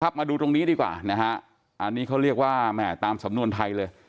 มาดูตรงนี้ดีกว่านะฮะอันนี้เขาเรียกว่าแม่ตามสำนวนไทยเลย